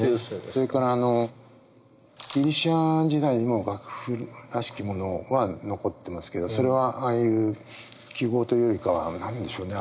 それからギリシャ時代にも楽譜らしきものは残ってますけどそれはああいう記号というよりかは何でしょうね